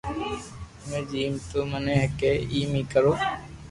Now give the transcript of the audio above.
ھمي جيم تو مني ڪي ايم اي ڪرو